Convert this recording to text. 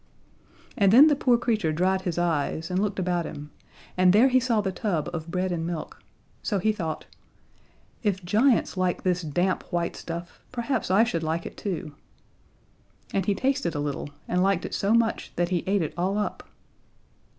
And then the poor creature dried his eyes and looked about him, and there he saw the tub of bread and milk. So he thought, "If giants like this damp, white stuff, perhaps I should like it too," and he tasted a little, and liked it so much that he ate it all up.